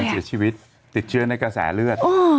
เสียชีวิตติดเชื้อในกระแสเลือด